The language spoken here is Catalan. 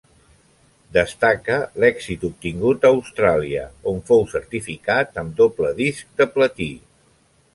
Destaca l'èxit obtingut a Austràlia on fou certificat amb doble disc de platí.